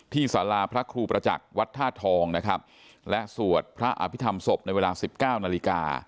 ที่ศาลาพระครูประจักษ์วัดท่าทองนะครับและสวดพระอภิษฐรรมศพในเวลา๑๙นาฬิกา